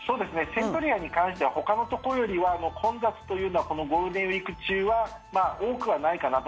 セントレアに関してはほかのところよりは混雑というのはこのゴールデンウィーク中は多くはないかなと。